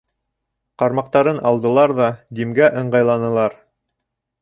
Ҡармаҡтарын алдылар ҙа Димгә ыңғайланылар.